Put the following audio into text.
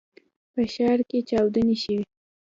په ښار کې چاودنې شوي.